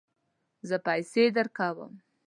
زه پیسې درکوم